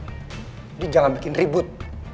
jadi jangan bikin ribut